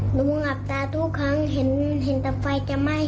หนูหักตาทุกครั้งเห็นทางไฟจะไหมา